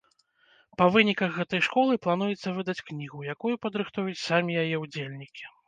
Па выніках гэтай школы плануецца выдаць кнігу, якую падрыхтуюць самі яе ўдзельнікі.